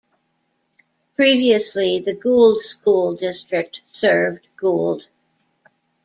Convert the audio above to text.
Previously the Gould School District served Gould.